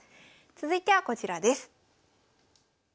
続いてはこちらです。